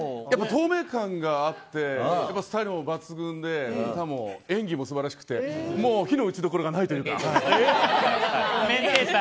透明感があってスタイルも抜群で歌も演技も素晴らしくてもう非の打ち所がないというか。